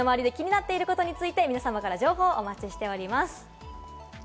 皆さんの身の回りで気になっていることについて、皆さまから情報をお待ちしております。